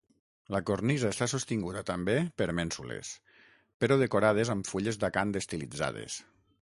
La cornisa està sostinguda, també, per mènsules però decorades amb fulles d'acant estilitzades.